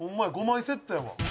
５枚セットやわ」